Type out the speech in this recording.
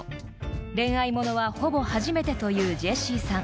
［恋愛物はほぼ初めてというジェシーさん。